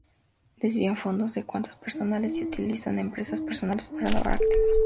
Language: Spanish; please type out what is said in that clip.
Desvían fondos a cuentas personales y utilizan empresas personales para lavar activos.